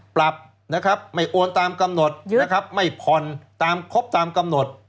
ปรับนะครับไม่โอนตามกำหนดนะครับไม่ผ่อนตามครบตามกำหนด